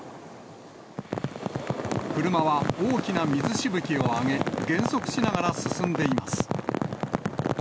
車は大きな水しぶきを上げ、減速しながら進んでいます。